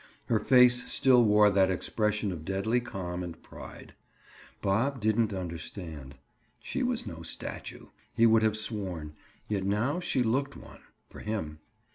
Her face still wore that expression of deadly calm and pride. Bob didn't understand. She was no statue, he would have sworn, yet now she looked one—for him.